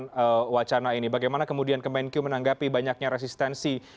pak anil akan wacana ini bagaimana kemudian kemenkyu menanggapi banyaknya resistensi